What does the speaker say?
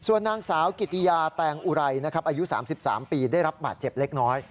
ส่วนนางสาวกิติยาแตงอุไรนะครับอายุ๓๓ปีได้รับบาดเจ็บเล็กน้อย